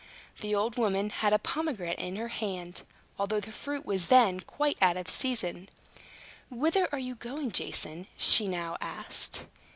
The old woman had a pomegranate in her hand, although the fruit was then quite out of season. "Whither are you going, Jason?" she now asked.